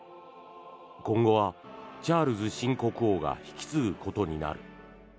今後はチャールズ新国王が引き継ぐことになる。